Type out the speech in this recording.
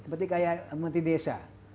seperti kaya menti desa